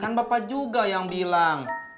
kan bapak juga yang bilang